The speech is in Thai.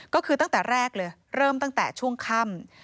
ก็คือตั้งแต่แรกเลยเริ่มตั้งแต่ช่วงค่ำ